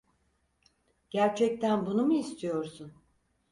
Gerçekten bunu mu istiyorsun?